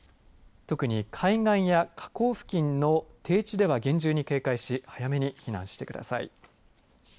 特に海岸や河口付近の低地では厳重に警戒し早めに避難してください。